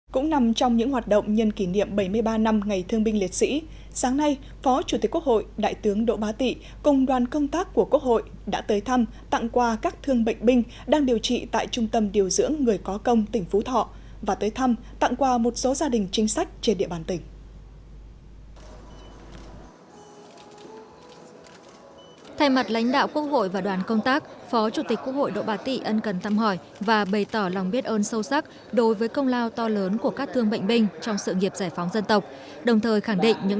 cũng nằm trong những hoạt động nhân kỷ niệm bảy mươi ba năm ngày thương binh liệt sĩ sáng nay phó chủ tịch quốc hội đại tướng đỗ bá tị cùng đoàn công tác của quốc hội đã tới thăm tặng quà các thương bệnh binh đang điều trị tại trung tâm điều dưỡng người có công tỉnh phú thọ và tới thăm tặng quà một số gia đình chính sách trên địa bàn tỉnh